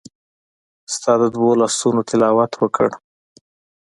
ستا د دوو لاسونو تلاوت وکړ